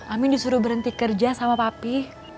amin disuruh berhenti kerja sama papi